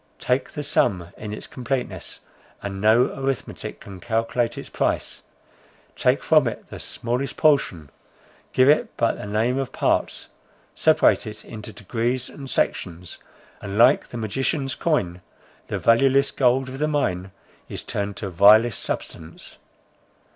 Take the sum in its completeness, and no arithmetic can calculate its price; take from it the smallest portion, give it but the name of parts, separate it into degrees and sections, and like the magician's coin, the valueless gold of the mine, is turned to vilest substance.